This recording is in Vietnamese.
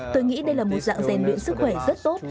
tôi nghĩ đây là một dạng rèn luyện sức khỏe rất tốt